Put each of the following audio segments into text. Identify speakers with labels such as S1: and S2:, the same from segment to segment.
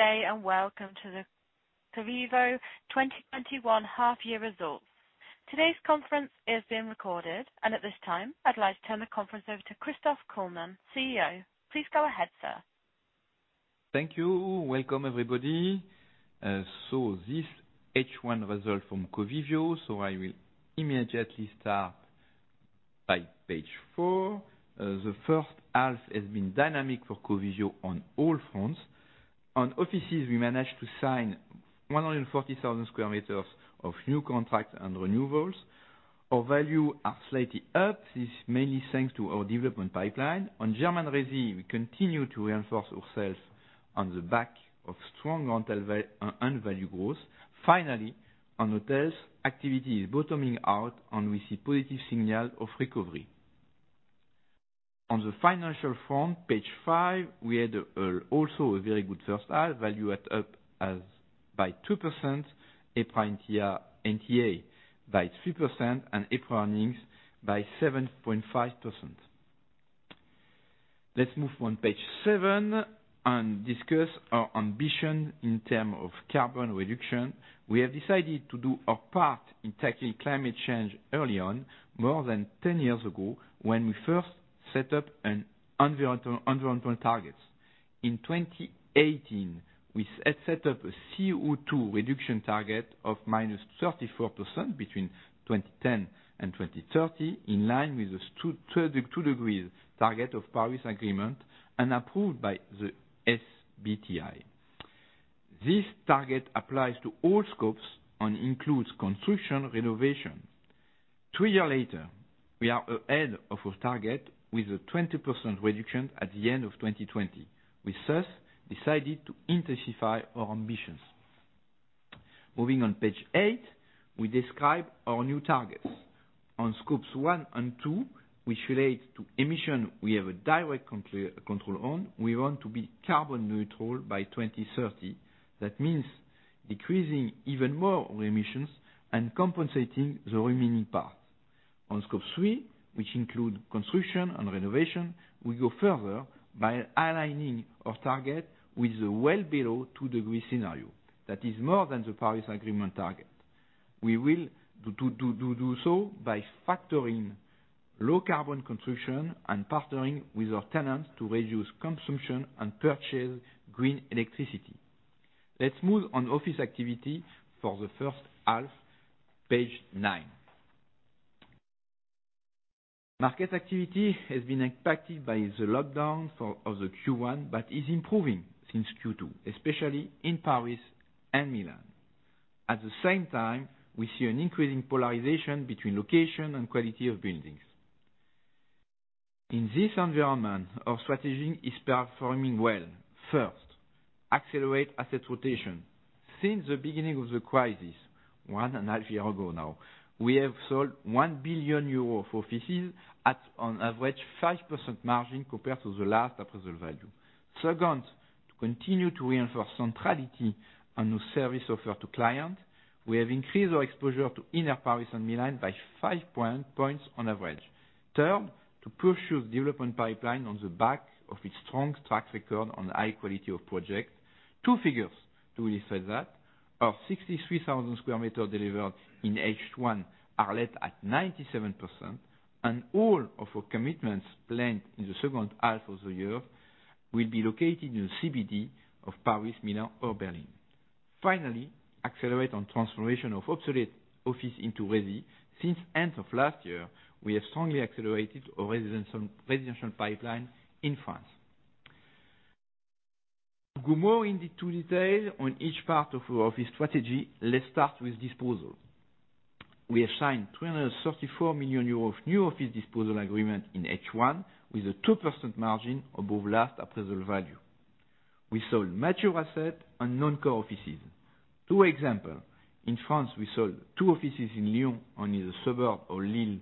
S1: Good day. Welcome to the Covivio 2021 half-year results. Today's conference is being recorded. At this time, I'd like to turn the conference over to Christophe Kullmann, CEO. Please go ahead, sir.
S2: Thank you. Welcome, everybody. This H1 result from Covivio. I will immediately start by page four. The first half has been dynamic for Covivio on all fronts. On offices, we managed to sign 140,000 sq m of new contracts and renewals. Our value are slightly up. This is mainly thanks to our development pipeline. On German resi, we continue to reinforce ourselves on the back of strong rental and value growth. Finally, on hotels, activity is bottoming out. We see positive signals of recovery. On the financial front, page five, we had also a very good first half. Value at up as by 2%. EPRA NTA by 3%. EPRA earnings by 7.5%. Let's move on page seven and discuss our ambition in term of carbon reduction. We have decided to do our part in tackling climate change early on, more than 10 years ago, when we first set up an environmental targets. In 2018, we had set up a CO2 reduction target of minus 34% between 2010 and 2030, in line with the two degrees target of Paris Agreement and approved by the SBTi. This target applies to all scopes and includes construction renovation. Two year later, we are ahead of our target with a 20% reduction at the end of 2020. We thus decided to intensify our ambitions. Moving on page eight, we describe our new targets. On Scope 1 and 2, which relates to emission we have a direct control on, we want to be carbon neutral by 2030. That means decreasing even more our emissions and compensating the remaining parts. On Scope 3, which include construction and renovation, we go further by aligning our target with the well below two degree scenario. That is more than the Paris Agreement target. We will do so by factoring low carbon construction and partnering with our tenants to reduce consumption and purchase green electricity. Let's move on office activity for the first half, page nine. Market activity has been impacted by the lockdown for other Q1, but is improving since Q2, especially in Paris and Milan. At the same time, we see an increasing polarization between location and quality of buildings. In this environment, our strategy is performing well. First, accelerate asset rotation. Since the beginning of the crisis, one and a half year ago now, we have sold 1 billion euros of offices at an average 5% margin compared to the last appraisal value. To continue to reinforce centrality and new service offer to client, we have increased our exposure to inner Paris and Milan by five points on average. To pursue development pipeline on the back of its strong track record on high quality of project. Two figures to illustrate that. Our 63,000 sq m delivered in H1 are let at 97%, and all of our commitments planned in the second half of the year will be located in the CBD of Paris, Milan, or Berlin. Accelerate on transformation of obsolete office into resi. Since end of last year, we have strongly accelerated our residential pipeline in France. To go more into detail on each part of our office strategy, let's start with disposal. We have signed 334 million euros of new office disposal agreement in H1 with a 2% margin above last appraisal value. We sold mature asset and non-core offices. Two example. In France, we sold two offices in Lyon on either suburb or Lille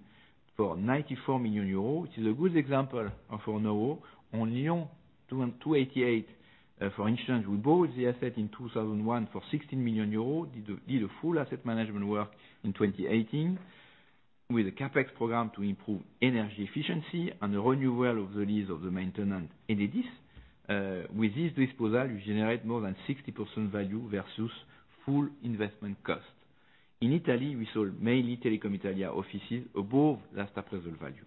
S2: for 94 million euros. It is a good example of our know. On Lyon 288, for instance, we bought the asset in 2001 for 16 million euros, did a full asset management work in 2018 with a CapEx program to improve energy efficiency and the renewal of the lease of the maintenance in this. With this disposal, we generate more than 60% value versus full investment cost. In Italy, we sold mainly Telecom Italia offices above last appraisal value.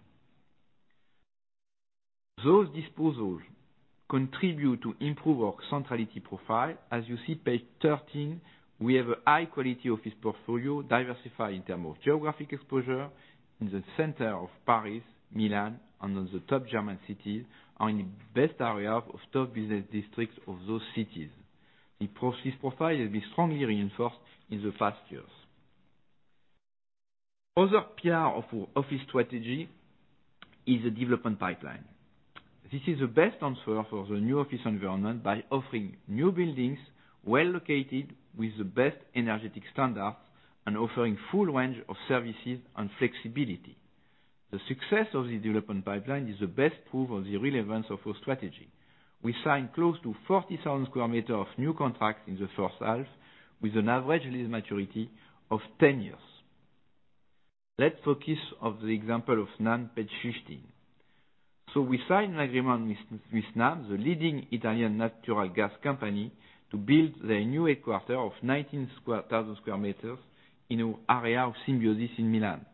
S2: Those disposals contribute to improve our centrality profile. As you see, page 13, we have a high quality office portfolio diversified in term of geographic exposure in the center of Paris, Milan, and of the top German cities are in the best area of top business districts of those cities. The office profile has been strongly reinforced in the past years. Other pillar of our office strategy is the development pipeline. This is the best answer for the new office environment by offering new buildings well located with the best energetic standards and offering full range of services and flexibility. The success of the development pipeline is the best proof of the relevance of our strategy. We signed close to 40,000 sq m of new contracts in the first half with an average lease maturity of 10 years. Let's focus on the example of Snam, page 15. We signed an agreement with Snam, the leading Italian natural gas company, to build their new headquarter of 19,000 sq m in our area of Symbiosis in Milan.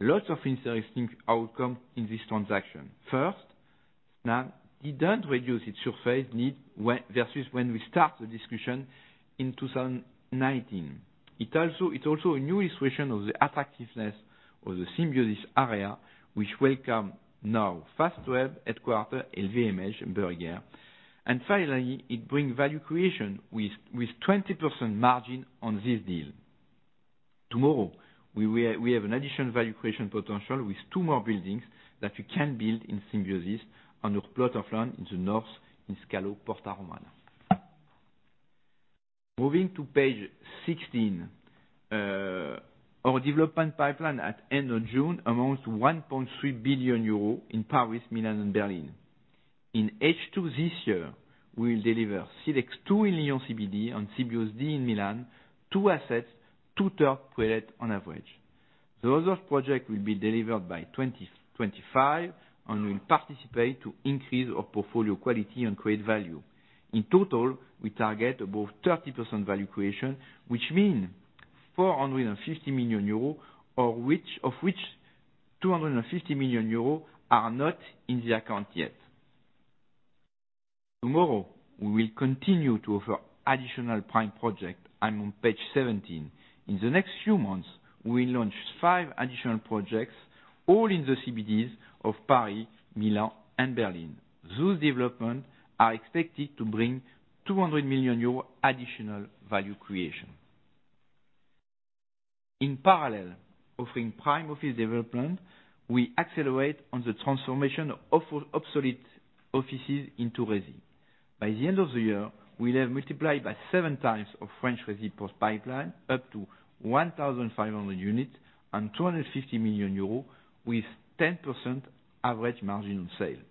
S2: Lots of interesting outcome in this transaction. Snam did not reduce its surface need versus when we start the discussion in 2019. It is also a new illustration of the attractiveness of the Symbiosis area, which welcome now Fastweb headquarter, LVMH, and Berger. Finally, it bring value creation with 20% margin on this deal. Tomorrow, we have an additional value creation potential with two more buildings that we can build in Symbiosis on a plot of land in the north, in Scalo Porta Romana. Moving to page 16. Our development pipeline at end of June amounts to 1.3 billion euros in Paris, Milan, and Berlin. In H2 this year, we will deliver Silex² in Lyon CBD and Symbiosis D in Milan, two assets, two third pre-let on average. The rest of project will be delivered by 2025 and will participate to increase our portfolio quality and create value. In total, we target above 30% value creation, which mean 450 million euros, of which 250 million euros are not in the account yet. Tomorrow, we will continue to offer additional prime project. I am on page 17. In the next few months, we will launch five additional projects, all in the CBDs of Paris, Milan, and Berlin. Those developments are expected to bring 200 million euro additional value creation. In parallel, offering prime office development, we accelerate on the transformation of obsolete offices into resi. By the end of the year, we will have multiplied by seven times of French resi post pipeline up to 1,500 units and 250 million euros with 10% average margin on sale.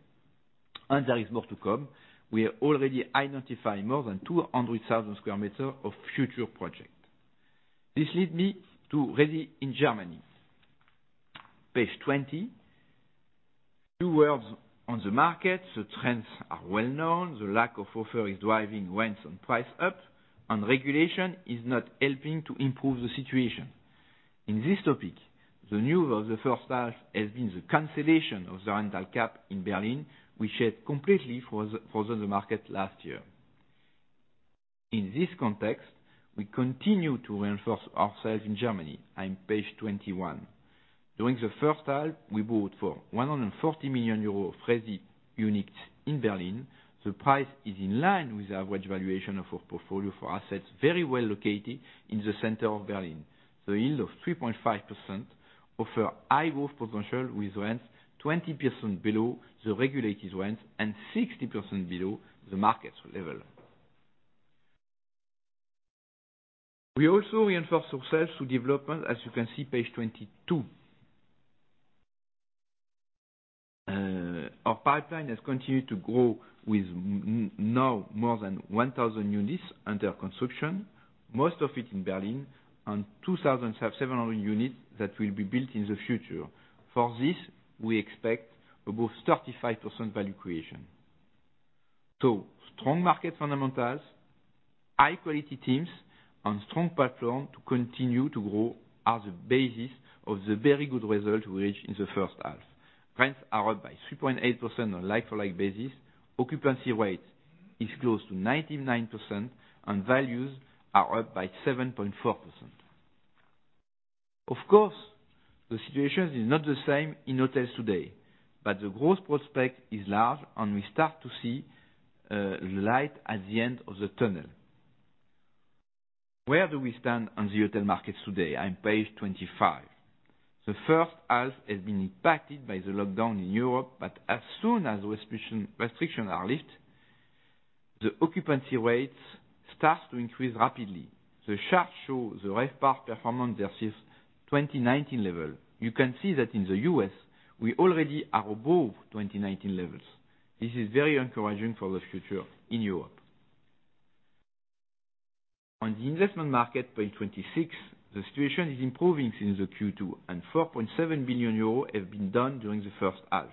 S2: There is more to come. We have already identified more than 200,000 sq m of future project. This leads me to resi in Germany. Page 20. Two words on the market. The trends are well known. The lack of offer is driving rents and price up, regulation is not helping to improve the situation. In this topic, the news of the first half has been the cancellation of the Berlin rent cap, which had completely frozen the market last year. In this context, we continue to reinforce ourselves in Germany. I am page 21. During the first half, we bought for 140 million euros resi units in Berlin. The price is in line with the average valuation of our portfolio for assets very well located in the center of Berlin. The yield of 3.5% offers high growth potential with rents 20% below the regulated rents and 60% below the market level. We also reinforce ourselves through development, as you can see, page 22. Our pipeline has continued to grow with now more than 1,000 units under construction, most of it in Berlin, and 2,700 units that will be built in the future. For this, we expect above 35% value creation. Strong market fundamentals, high-quality teams, and strong pipeline to continue to grow are the basis of the very good result we reached in the first half. Rents are up by 3.8% on like-for-like basis. Occupancy rate is close to 99%, values are up by 7.4%. Of course, the situation is not the same in hotels today, the growth prospect is large, and we start to see light at the end of the tunnel. Where do we stand on the hotel markets today? I am page 25. The first half has been impacted by the lockdown in Europe, as soon as restrictions are lifted, the occupancy rates start to increase rapidly. The chart shows the RevPAR performance versus 2019 level. You can see that in the U.S., we already are above 2019 levels. This is very encouraging for the future in Europe. On the investment market, page 26, the situation is improving since the Q2, 4.7 billion euros have been done during the first half.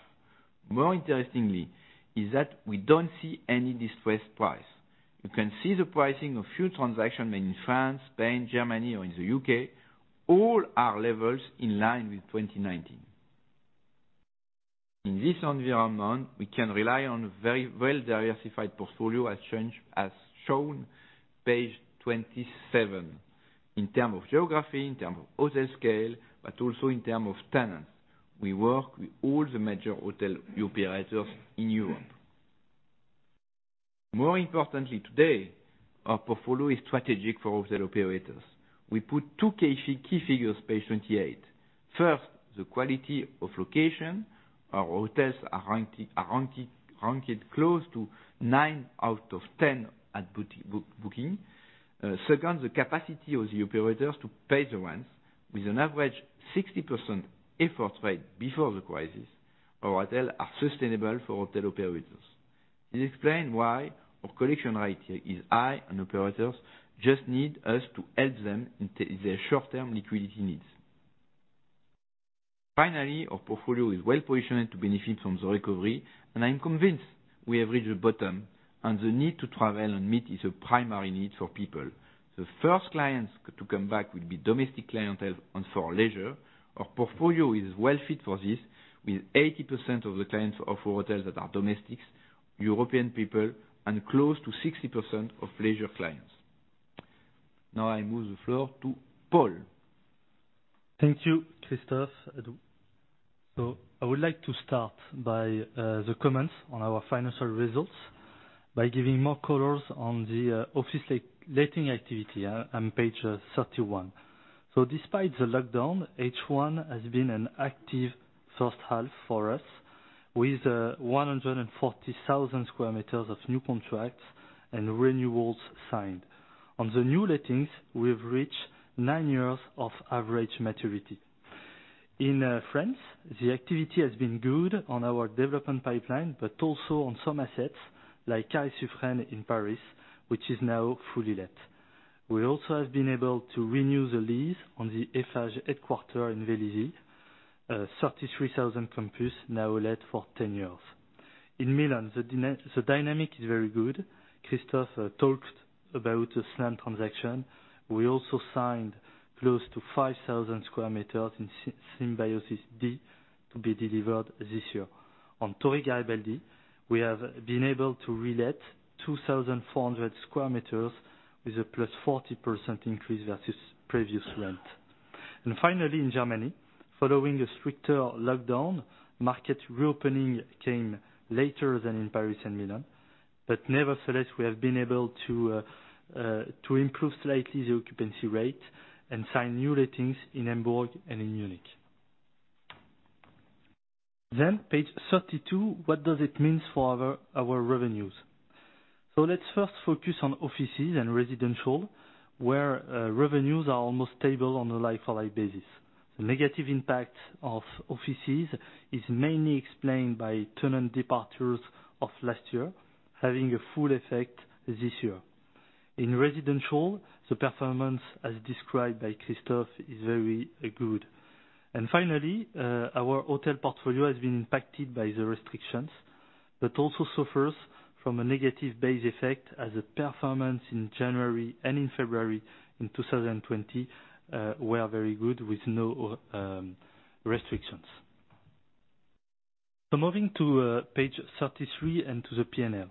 S2: More interestingly is that we do not see any distressed price. You can see the pricing of few transactions made in France, Spain, Germany, or in the U.K., all are levels in line with 2019. In this environment, we can rely on very well-diversified portfolio, as shown, page 27, in terms of geography, in terms of hotel scale, but also in terms of tenants. We work with all the major hotel operators in Europe. More importantly today, our portfolio is strategic for hotel operators. We put two key figures, page 28. First, the quality of location. Our hotels are ranked close to 9 out of 10 at booking. Second, the capacity of the operators to pay the rents with an average 60% effort rate before the crisis. Our hotels are sustainable for hotel operators. It explains why our collection rate is high. Operators just need us to help them with their short-term liquidity needs. Finally, our portfolio is well-positioned to benefit from the recovery. I'm convinced we have reached the bottom. The need to travel and meet is a primary need for people. The first clients to come back will be domestic clientele and for leisure. Our portfolio is well fit for this, with 80% of the clients of our hotels that are domestic, European people, and close to 60% of leisure clients. I move the floor to Paul.
S3: Thank you, Christophe. I would like to start by the comments on our financial results by giving more colors on the office letting activity on page 31. Despite the lockdown, H1 has been an active first half for us, with 140,000 square meters of new contracts and renewals signed. On the new lettings, we have reached 9 years of average maturity. In France, the activity has been good on our development pipeline, but also on some assets like Carré Suffren in Paris, which is now fully let. We also have been able to renew the lease on the Eiffage headquarter in Vélizy, a 33,000 campus now let for 10 years. In Milan, the dynamic is very good. Christophe talked about a Snam transaction. We also signed close to 5,000 square meters in Symbiosis D to be delivered this year. On Torre Garibaldi, we have been able to re-let 2,400 square meters with a +40% increase versus previous rent. Finally, in Germany, following a stricter lockdown, market reopening came later than in Paris and Milan. Nevertheless, we have been able to improve slightly the occupancy rate and sign new lettings in Hamburg and in Munich. Page 32, what does it mean for our revenues? Let's first focus on offices and residential, where revenues are almost stable on a like-for-like basis. The negative impact of offices is mainly explained by tenant departures of last year, having a full effect this year. In residential, the performance, as described by Christophe, is very good. Finally, our hotel portfolio has been impacted by the restrictions, but also suffers from a negative base effect as the performance in January and in February in 2020 were very good with no restrictions. Moving to page 33 and to the P&L.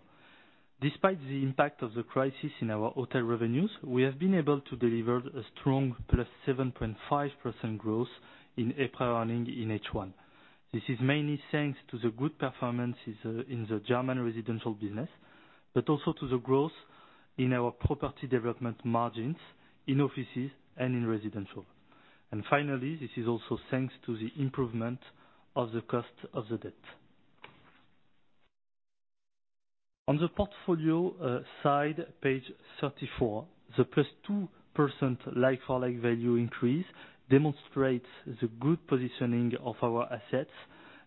S3: Despite the impact of the crisis in our hotel revenues, we have been able to deliver a strong +7.5% growth in EPRA earnings in H1. This is mainly thanks to the good performance in the German residential business, also to the growth in our property development margins in offices and in residential. Finally, this is also thanks to the improvement of the cost of the debt. On the portfolio side, page 34. The +2% like-for-like value increase demonstrates the good positioning of our assets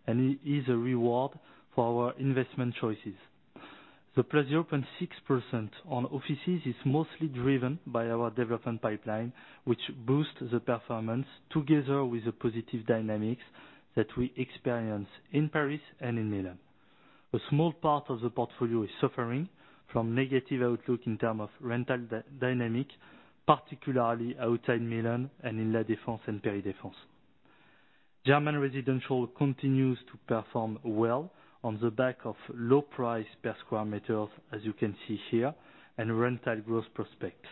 S3: and is a reward for our investment choices. The +0.6% on offices is mostly driven by our development pipeline, which boosts the performance together with the positive dynamics that we experience in Paris and in Milan. A small part of the portfolio is suffering from negative outlook in terms of rental dynamic, particularly outside Milan and in La Défense and Paris La Défense. German residential continues to perform well on the back of low price per sq m, as you can see here, and rental growth prospects.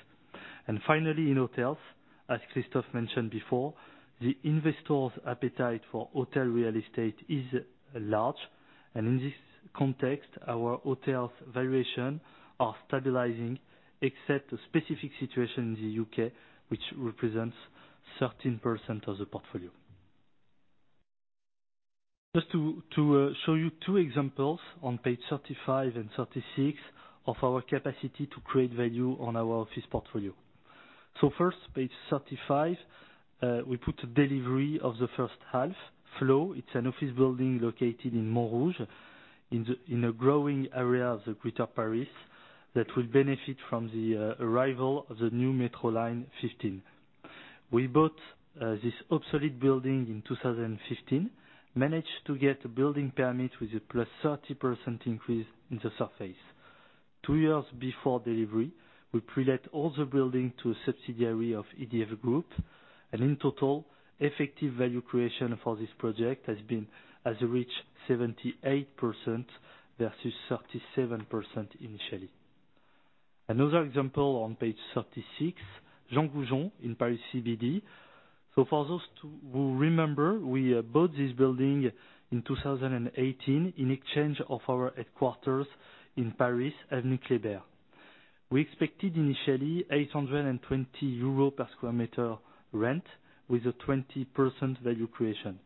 S3: Finally, in hotels, as Christophe mentioned before, the investors' appetite for hotel real estate is large. In this context, our hotels valuation are stabilizing, except a specific situation in the U.K., which represents 13% of the portfolio. Just to show you two examples on page 35 and 36 of our capacity to create value on our office portfolio. First, page 35, we put a delivery of the first half, Flow. It's an office building located in Montrouge in a growing area of the Greater Paris that will benefit from the arrival of the new Metro Line 15. We bought this obsolete building in 2015, managed to get a building permit with a +30% increase in the surface. Two years before delivery, we pre-let all the building to a subsidiary of EDF Group, in total, effective value creation for this project has reached 78% versus 37% initially. Another example on page 36, Jean Goujon in Paris CBD. For those who remember, we bought this building in 2018 in exchange of our headquarters in Paris, Avenue Kléber. We expected initially 820 euros per sq m rent with a 20% value creation.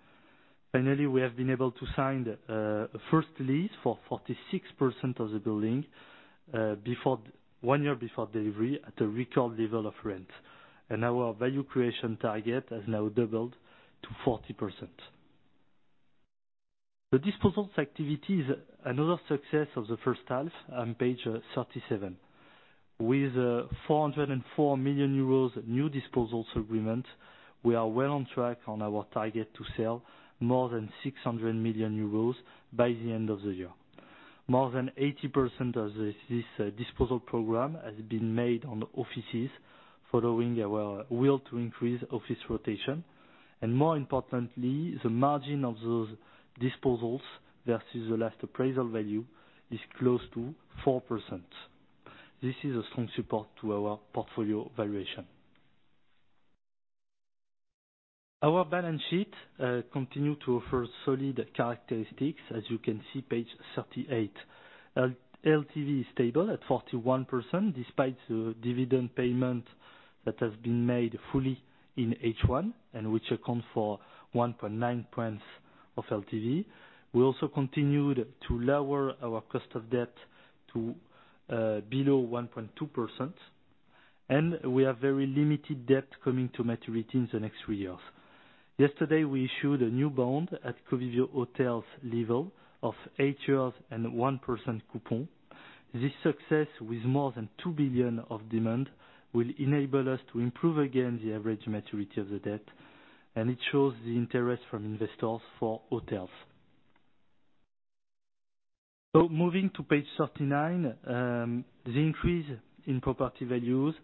S3: Finally, we have been able to sign a first lease for 46% of the building one year before delivery at a record level of rent. Our value creation target has now doubled to 40%. The disposals activity is another success of the first half on page 37. With 404 million euros new disposals agreement, we are well on track on our target to sell more than 600 million euros by the end of the year. More than 80% of this disposal program has been made on the offices, following our will to increase office rotation, and more importantly, the margin of those disposals versus the last appraisal value is close to 4%. This is a strong support to our portfolio valuation. Our balance sheet continue to offer solid characteristics as you can see, page 38. LTV is stable at 41%, despite the dividend payment that has been made fully in H1, which accounts for 1.9 points of LTV. We also continued to lower our cost of debt to below 1.2%, and we have very limited debt coming to maturity in the next three years. Yesterday, we issued a new bond at Covivio Hotels level of 8 years and 1% coupon. This success, with more than 2 billion of demand, will enable us to improve again the average maturity of the debt, and it shows the interest from investors for hotels. Moving to page 39, the increase in property values,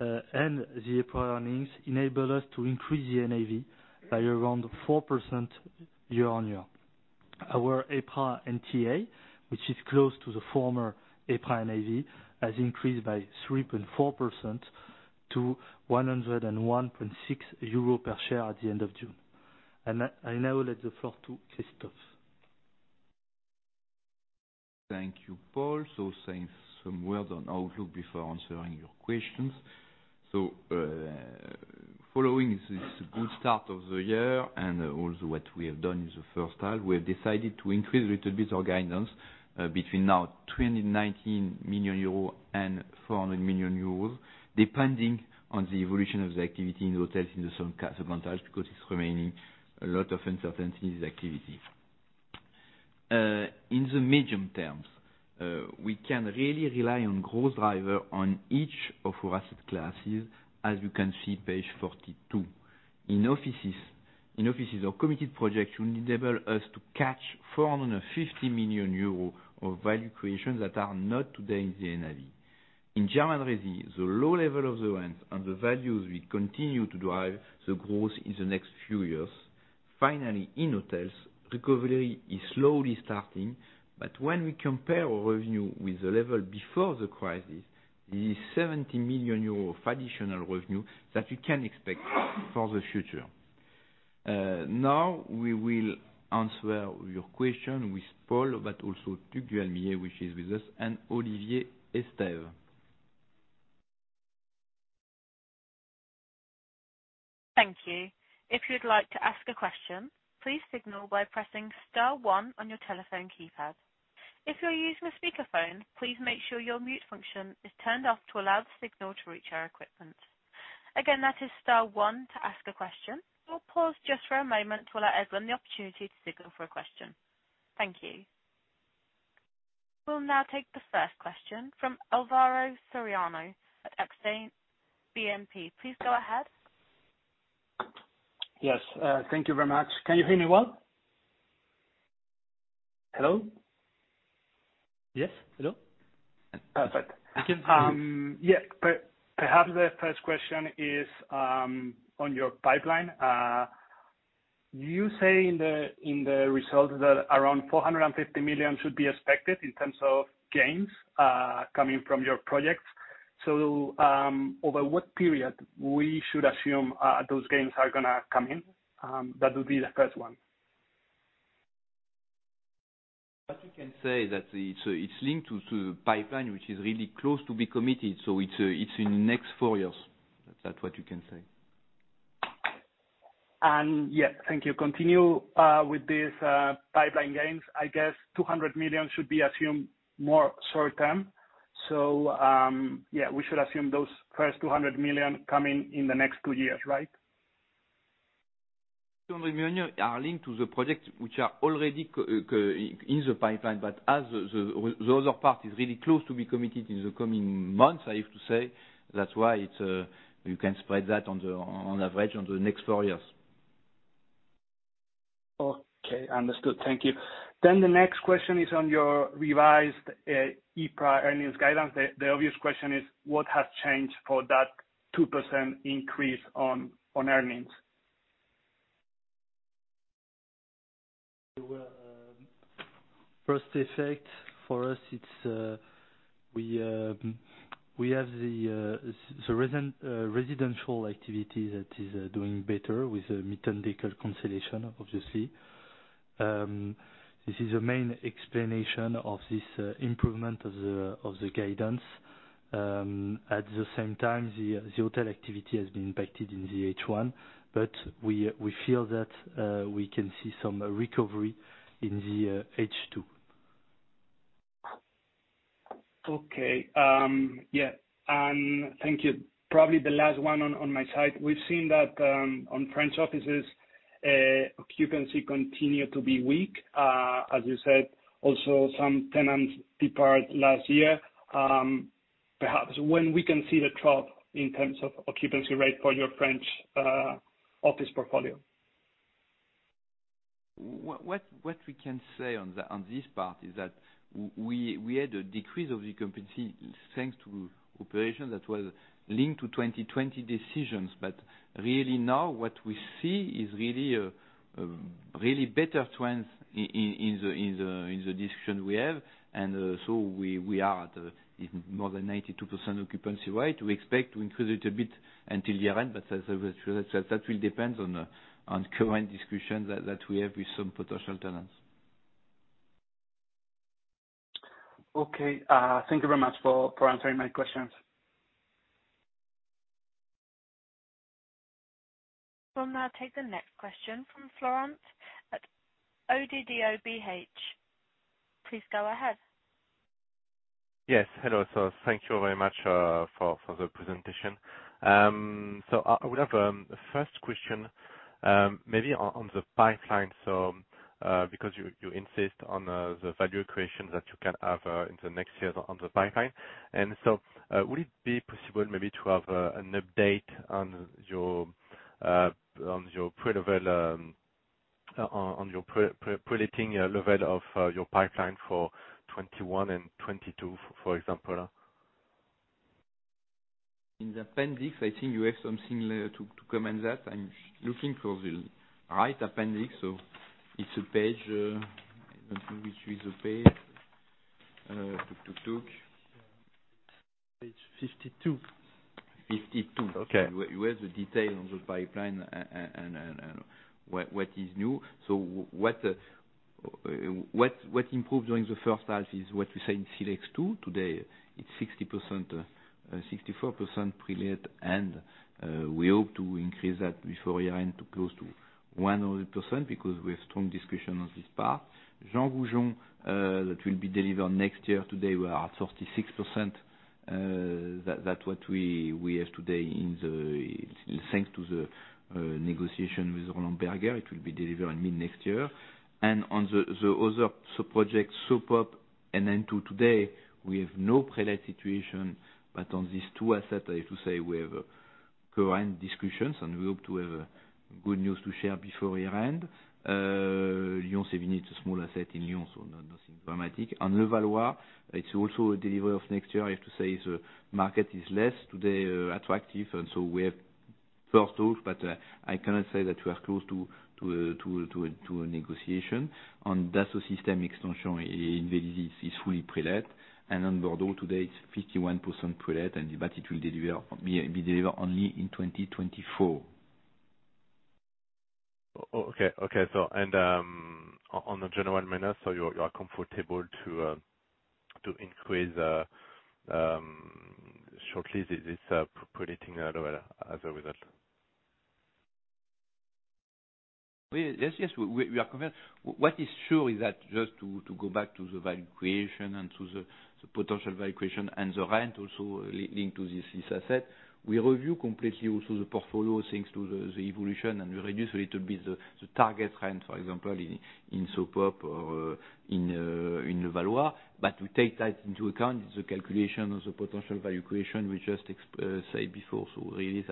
S3: and the EPRA earnings enabled us to increase the NAV by around 4% year-over-year. Our EPRA NTA, which is close to the former EPRA NAV, has increased by 3.4% to 101.6 euro per share at the end of June. I now let the floor to Christophe.
S2: Thank you, Paul. Saying some words on outlook before answering your questions. Following this good start of the year and also what we have done in the first half, we have decided to increase a little bit our guidance between now 219 million euros and 400 million euros, depending on the evolution of the activity in hotels in the second half, because it's remaining a lot of uncertainty in the activity. In the medium terms, we can really rely on growth driver on each of our asset classes, as you can see, page 42. In offices our committed projects will enable us to catch 450 million euros of value creations that are not today in the NAV. In German resi, the low level of the rents and the values will continue to drive the growth in the next few years. In hotels, recovery is slowly starting, but when we compare our revenue with the level before the crisis, it is 70 million euro of additional revenue that we can expect for the future. We will answer your question with Paul, but also Tugdual Millet, which is with us, and Olivier Estève.
S1: Thank you. If you would like to ask a question, please signal by pressing star one on your telephone keypad. If you're using a speakerphone, please make sure your mute function is turned off to allow the signal to reach our equipment. Again, that is star one to ask a question. We'll pause just for a moment to allow everyone the opportunity to signal for a question. Thank you. We'll now take the first question from Alvaro Soriano at Exane BNP. Please go ahead.
S4: Yes. Thank you very much. Can you hear me well? Hello?
S3: Yes. Hello.
S4: Perfect.
S3: I can hear you.
S4: Perhaps the first question is on your pipeline. You say in the results that around 450 million should be expected in terms of gains, coming from your projects. Over what period we should assume those gains are going to come in? That would be the first one.
S2: What you can say is that it's linked to the pipeline, which is really close to be committed. It's in the next 4 years. That's what you can say.
S4: Yeah. Thank you. Continue with these pipeline gains, I guess 200 million should be assumed more short-term. Yeah, we should assume those first 200 million coming in the next 2 years, right?
S2: 200 million are linked to the projects which are already in the pipeline, as the other part is really close to be committed in the coming months, I have to say. That's why you can spread that on average onto the next 4 years.
S4: Okay. Understood. Thank you. The next question is on your revised EPRA earnings guidance. The obvious question is what has changed for that 2% increase on earnings?
S3: First effect for us, we have the residential activity that is doing better with the Mietendeckel cancellation, obviously. This is the main explanation of this improvement of the guidance. At the same time, the hotel activity has been impacted in the H1, but we feel that we can see some recovery in the H2.
S4: Okay. Yeah. Thank you. Probably the last one on my side. We've seen that on French offices, occupancy continue to be weak. As you said, also some tenants depart last year. Perhaps when we can see the trough in terms of occupancy rate for your French office portfolio?
S2: What we can say on this part is that we had a decrease of the occupancy, thanks to operations that was linked to 2020 decisions. Really now what we see is really better trends in the discussion we have. We are at more than 92% occupancy rate. We expect to increase it a bit until year-end, but that will depend on current discussions that we have with some potential tenants.
S4: Okay. Thank you very much for answering my questions.
S1: We'll now take the next question from Florent at Oddo BHF. Please go ahead.
S5: Yes. Hello. Thank you very much for the presentation. I would have the first question, maybe on the pipeline. Because you insist on the value creation that you can have in the next years on the pipeline. Would it be possible maybe to have an update on your pre-letting level of your pipeline for 2021 and 2022, for example?
S2: In the appendix, I think you have something to comment that. I'm looking for the right appendix. It's a page, I don't know which is the page.
S3: Page 52.
S2: Fifty-two.
S5: Okay.
S2: You have the detail on the pipeline and what is new. What improved during the first half is what we say in Silex². Today, it's 64% prelet, and we hope to increase that before year-end to close to 100%, because we have strong discussion on this part. Jean Goujon, that will be delivered next year. Today, we are at 36%. That what we have today, thanks to the negotiation with Roland Berger. It will be delivered mid-next year. On the other sub-projects, So Pop and N2 today we have no prelet situation, but on these two assets, I have to say we have current discussions, and we hope to have good news to share before year-end. Lyon Seven is a small asset in Lyon, nothing dramatic. Levallois, it's also a delivery of next year, I have to say the market is less today attractive, we have first talk, but I cannot say that we are close to a negotiation. On Dassault Systèmes extension in Vélizy is fully prelet. On Bordeaux to date, 51% prelet, but it will be delivered only in 2024.
S5: Okay. On a general manner, you are comfortable to increase shortly this preletting level as a result?
S2: Yes. We are confident. What is sure is that, just to go back to the value creation and to the potential value creation and the rent, also linked to this asset. We review completely also the portfolio, thanks to the evolution, and we reduce a little bit the target rent, for example, in So Pop or in Levallois. We take that into account. It's a calculation of the potential value creation we just said before. Really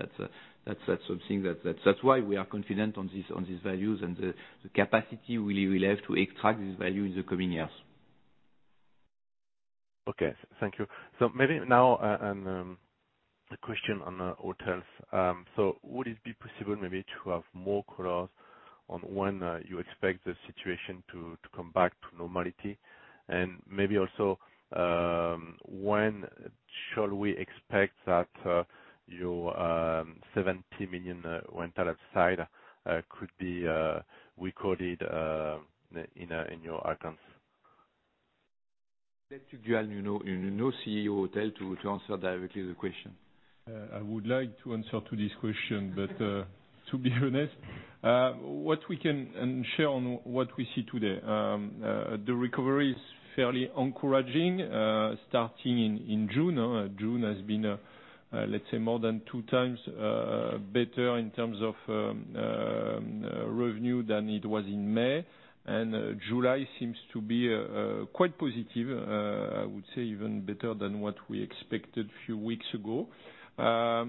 S2: that's something that's why we are confident on these values and the capacity we will have to extract this value in the coming years.
S5: Okay. Thank you. Maybe now, a question on hotels. Would it be possible maybe to have more color on when you expect the situation to come back to normality? Maybe also, when shall we expect that your 70 million rental upside could be recorded in your accounts?
S2: Let Tugdual, you know CEO Hotel to answer directly the question.
S6: I would like to answer to this question, to be honest what we can share on what we see today. The recovery is fairly encouraging, starting in June. June has been, let's say, more than two times better in terms of revenue than it was in May. July seems to be quite positive. I would say even better than what we expected few weeks ago. To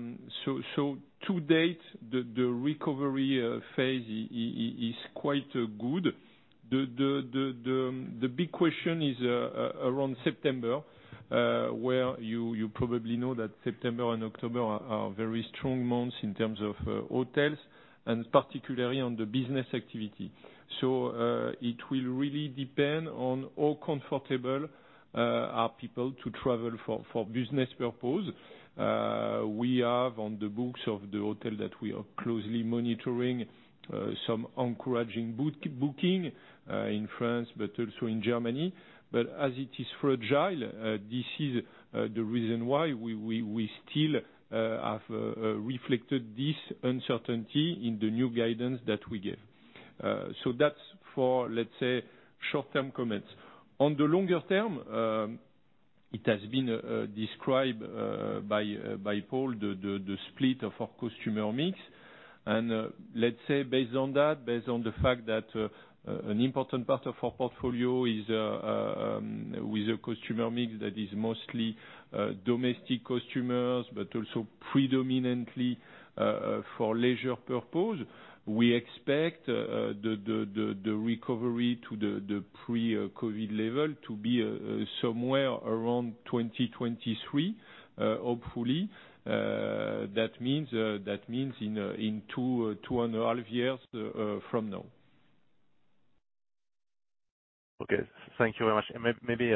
S6: date, the recovery phase is quite good. The big question is around September, where you probably know that September and October are very strong months in terms of hotels and particularly on the business activity. It will really depend on how comfortable are people to travel for business purpose. We have on the books of the hotel that we are closely monitoring some encouraging booking in France, but also in Germany. As it is fragile, this is the reason why we still have reflected this uncertainty in the new guidance that we give. That's for, let's say, short-term comments. On the longer term, it has been described by Paul, the split of our customer mix. Let's say based on that, based on the fact that an important part of our portfolio is with a customer mix that is mostly domestic customers, but also predominantly for leisure purpose. We expect the recovery to the pre-COVID level to be somewhere around 2023, hopefully. That means in two and a half years from now.
S5: Okay. Thank you very much. Maybe,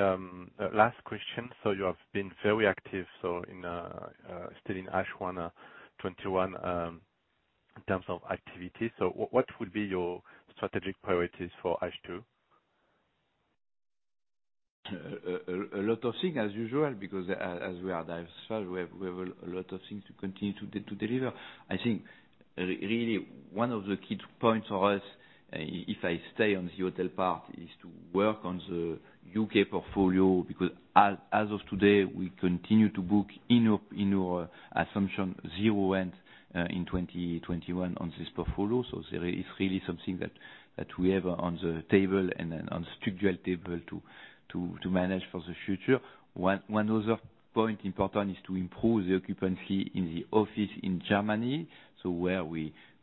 S5: last question. You have been very active, still in H1 2021, in terms of activity. What would be your strategic priorities for H2?
S2: A lot of things as usual, because as we are diversified, we have a lot of things to continue to deliver. I think really one of the key points for us, if I stay on the hotel part, is to work on the U.K. portfolio because as of today, we continue to book in our assumption zero rent in 2021 on this portfolio. It's really something that we have on the table and on structural table to manage for the future. One other point important is to improve the occupancy in the office in Germany, where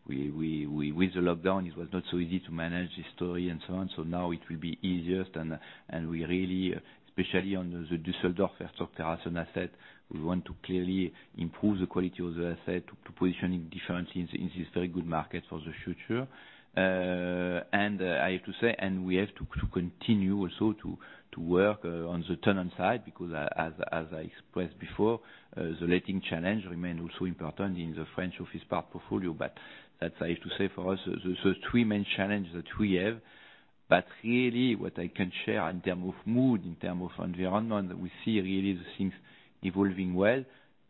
S2: with the lockdown, it was not so easy to manage this story and so on. Now it will be easier and we really, especially on the Düsseldorf Herzogterrassen asset, we want to clearly improve the quality of the asset to position it differently in this very good market for the future. I have to say, we have to continue also to work on the tenant side because as I expressed before, the letting challenge remain also important in the French office part portfolio. That I have to say for us, the three main challenges that we have. Really what I can share in term of mood, in term of environment, we see really the things evolving well.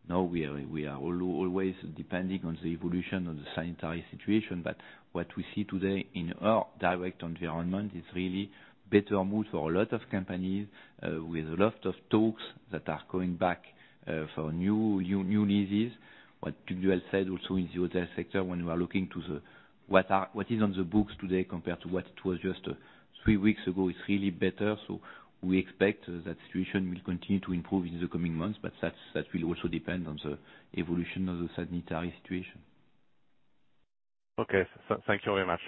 S2: Now we are always depending on the evolution of the sanitary situation. What we see today in our direct environment is really better mood for a lot of companies, with a lot of talks that are going back for new leases. What Tugdual said also in the hotel sector, when we are looking to what is on the books today compared to what it was just three weeks ago, it's really better. We expect that situation will continue to improve in the coming months, but that will also depend on the evolution of the sanitary situation.
S5: Okay. Thank you very much.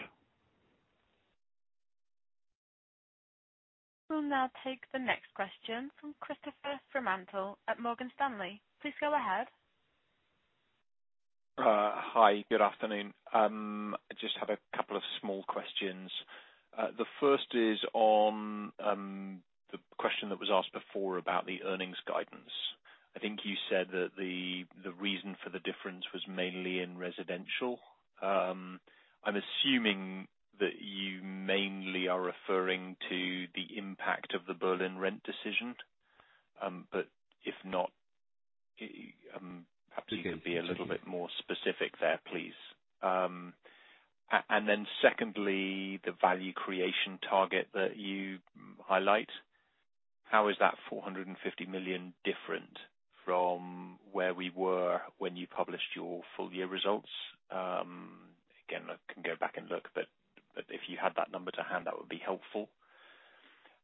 S1: We'll now take the next question from Christopher Fremantle at Morgan Stanley. Please go ahead.
S7: Hi, good afternoon. I just have a couple of small questions. The first is on the question that was asked before about the earnings guidance. I think you said that the reason for the difference was mainly in residential. I'm assuming that you mainly are referring to the impact of the Berlin rent decision. If not, perhaps you could be a little bit more specific there, please. Secondly, the value creation target that you highlight, how is that 450 million different from where we were when you published your full year results? Again, I can go back and look, but if you had that number to hand, that would be helpful.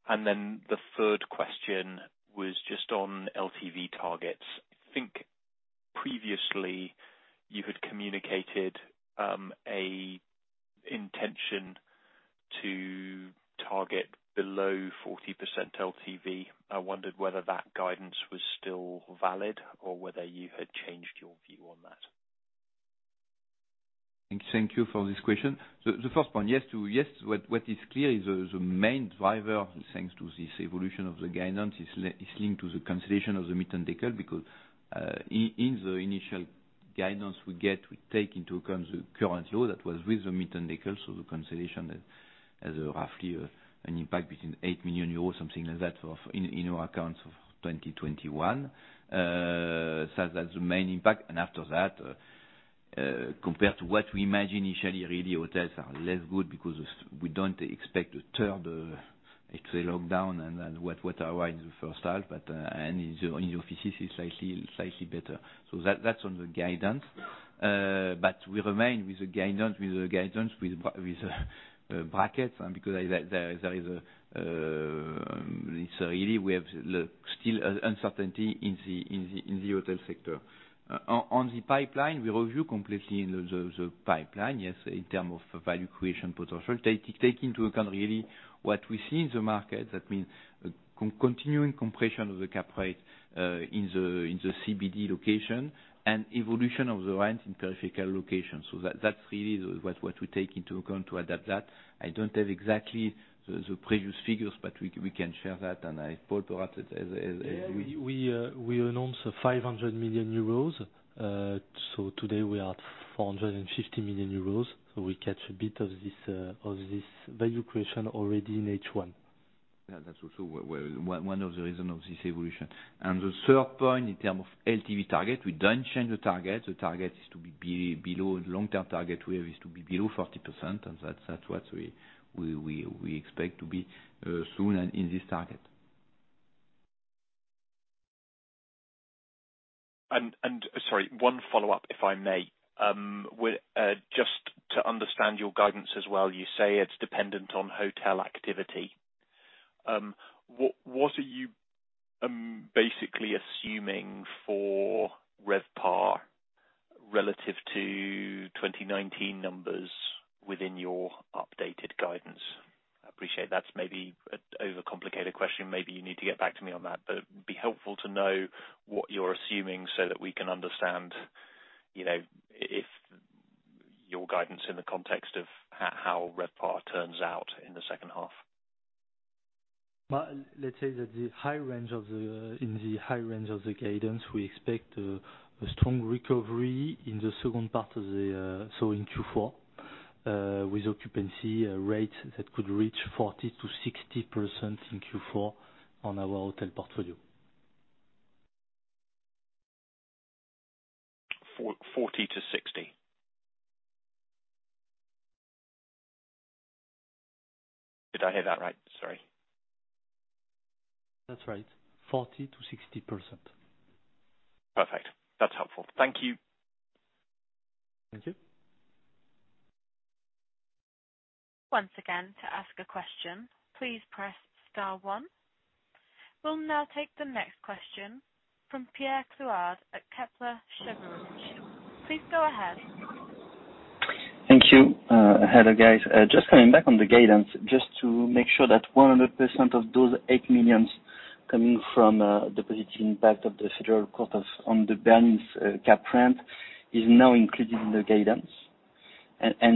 S7: The third question was just on LTV targets. I think previously you had communicated an intention to target below 40% LTV. I wondered whether that guidance was still valid or whether you had changed your view on that.
S2: Thank you for this question. The first point, yes, what is clear is the main driver, thanks to this evolution of the guidance, is linked to the consolidation of the Mitteldeutsche, because, in the initial guidance we get, we take into account the current low that was with the Mitteldeutsche. The consolidation has roughly an impact between 8 million euros, something like that, in our accounts of 2021. That's the main impact, and after that, compared to what we imagined initially, really hotels are less good because we don't expect a third, let's say, lockdown and what arrived the first half, but in the offices is slightly better. That's on the guidance. We remain with the guidance, with brackets, and because there is really, we have still uncertainty in the hotel sector. On the pipeline, we review completely the pipeline, yes, in terms of value creation potential, take into account really what we see in the market. That means continuing compression of the cap rate, in the CBD location and evolution of the rent in peripheral locations. That's really what we take into account to adapt that. I don't have exactly the previous figures, but we can share that. Paul perhaps is.
S3: We announced 500 million euros. Today we are at 450 million euros. We catch a bit of this value creation already in H1. That's also one of the reasons of this evolution. The third point, in terms of LTV target, we don't change the target. The long-term target we have is to be below 40%. That's what we expect to be soon in this target.
S7: Sorry, one follow-up, if I may. Just to understand your guidance as well, you say it's dependent on hotel activity. What are you basically assuming for RevPAR relative to 2019 numbers within your updated guidance? I appreciate that's maybe an overcomplicated question, maybe you need to get back to me on that. It'd be helpful to know what you're assuming so that we can understand your guidance in the context of how RevPAR turns out in the second half.
S3: Let's say in the high range of the guidance, we expect a strong recovery in the second part, so in Q4, with occupancy rates that could reach 40%-60% in Q4 on our hotel portfolio.
S7: 40%-60%? Did I hear that right? Sorry.
S3: That's right. 40%-60%.
S7: Perfect. That's helpful. Thank you.
S3: Thank you.
S1: Once again, to ask a question, please press star one. We will now take the next question from Pierre-Emmanuel Clouard at Kepler Cheuvreux. Please go ahead.
S8: Thank you. Hello, guys. Just coming back on the guidance, just to make sure that 100% of those 8 million coming from a positive impact of the federal court on the Berlin rent cap is now included in the guidance.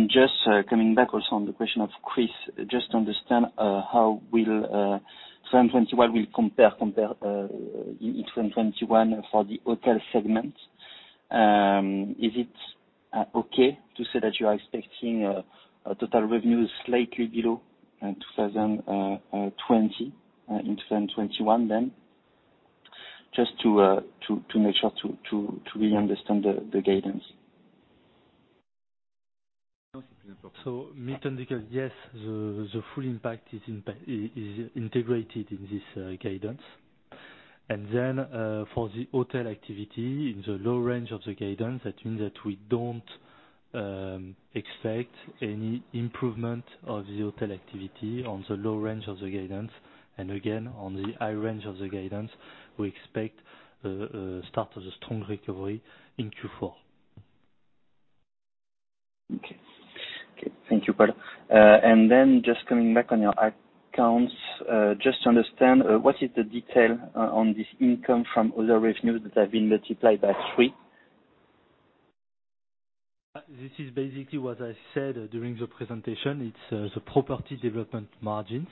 S8: Just coming back also on the question of Chris, just to understand how 2021 will compare in 2021 for the hotel segment. Is it okay to say that you are expecting total revenue slightly below 2020 in 2021 then? Just to make sure to really understand the guidance.
S3: Yes, the full impact is integrated in this guidance. For the hotel activity in the low range of the guidance, that means that we don't expect any improvement of the hotel activity on the low range of the guidance. On the high range of the guidance, we expect the start of a strong recovery in Q4.
S8: Okay. Thank you, Paul. Just coming back on your accounts, just to understand, what is the detail on this income from other revenues that have been multiplied by three?
S3: This is basically what I said during the presentation. It's the property development margins.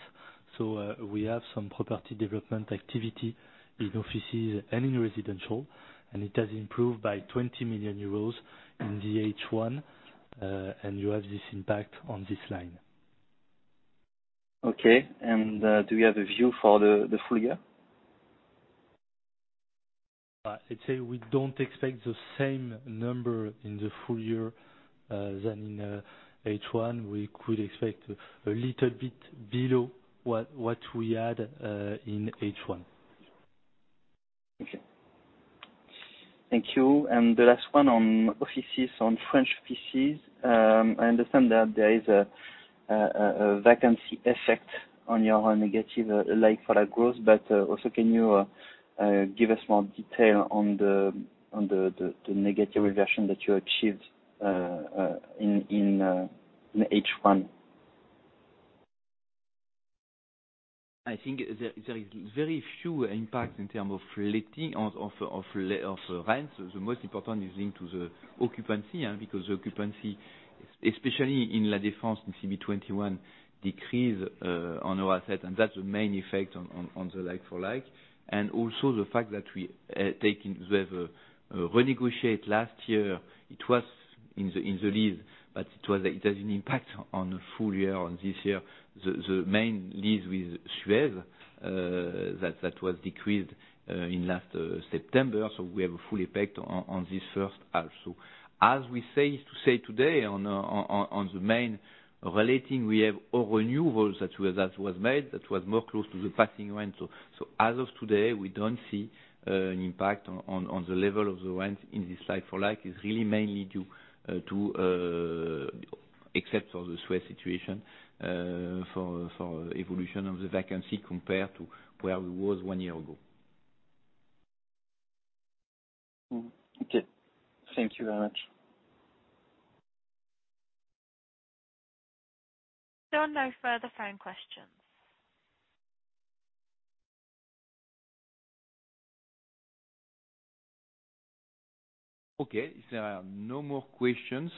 S3: We have some property development activity in offices and in residential, and it has improved by 20 million euros in the H1, and you have this impact on this line.
S8: Okay. Do you have a view for the full year?
S3: I'd say we don't expect the same number in the full year as in H1. We could expect a little bit below what we had in H1.
S8: Okay. Thank you. The last one on French offices. I understand that there is a vacancy effect on your negative like-for-like growth, but also, can you give us more detail on the negative reversion that you achieved in H1?
S3: I think there is very few impact in terms of rents. The most important is linked to the occupancy, because the occupancy, especially in Paris La Défense in CB21, decreased on our asset, and that's the main effect on the like-for-like. Also the fact that we have renegotiate last year. It was in the lease, but it has an impact on the full year, on this year. The main lease with SUEZ that was decreased in last September, so we have a full effect on this first half. As we say today on the main relating, we have all renewals that was made that was more close to the passing rent. As of today, we don't see an impact on the level of the rent in this like-for-like. It's really mainly due to, except for the SUEZ situation, for evolution of the vacancy compared to where we was one year ago.
S8: Okay. Thank you very much.
S1: There are no further phone questions.
S3: Okay. If there are no more questions,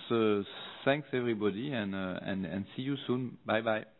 S3: thanks, everybody, and see you soon. Bye-bye.